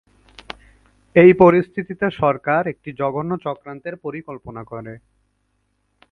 এই পরিস্থিতিতে সরকার একটি জঘন্য চক্রান্তের পরিকল্পনা করে।